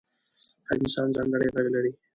هر انسان ځانګړی غږ لري.